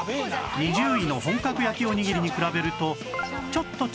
２０位の本格焼おにぎりに比べると